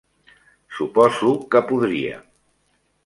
Suposo que podria.